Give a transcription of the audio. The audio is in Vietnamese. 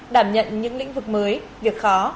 đảm nhận những lĩnh vực mới việc khó